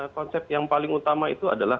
konsep yang paling utama itu adalah